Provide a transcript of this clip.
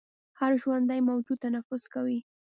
هر ژوندی موجود تنفس کوي